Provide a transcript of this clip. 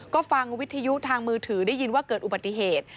ก็ฟังวิทยุทางมือถือได้ยินว่าเกิดอุบัติเหตุ